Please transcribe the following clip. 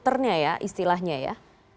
rekruternya ya istilahnya ya